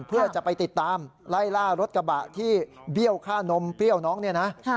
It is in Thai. เพื่อจะไปติดตามไล่ล่ารถกระบะที่เบี้ยวค่านมเปรี้ยวน้องเนี่ยนะ